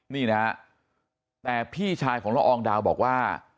นี่นะฮะแต่พี่ชายของละอองดาวบอกว่า